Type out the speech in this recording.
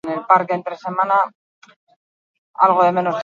Nafarroako eraikuntza gotiko garrantzitsuenetakoa da.